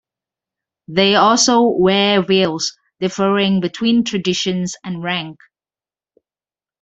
They also wear veils, differing between traditions and rank.